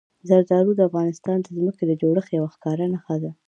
زردالو د افغانستان د ځمکې د جوړښت یوه ښکاره نښه ده.